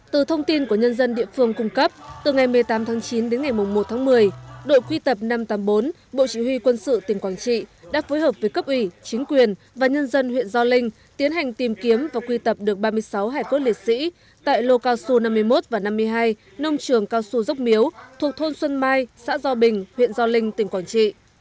từ thông tin của nhân dân địa phương cung cấp từ ngày một mươi tám tháng chín đến ngày một tháng một mươi đội quy tập năm trăm tám mươi bốn bộ chỉ huy quân sự tỉnh quảng trị đã phối hợp với cấp ủy chính quyền và nhân dân huyện gio linh tiến hành tìm kiếm và quy tập được ba mươi sáu hải cốt liệt sĩ tại lô cao xu năm mươi một và năm mươi hai nông trường cao xu dốc miếu thuộc thôn xuân mai xã gio bình huyện gio linh tỉnh quảng trị